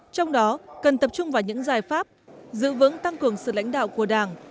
trong đó cần tập trung vào những giải pháp giữ vững tăng cường sự lãnh đạo của đảng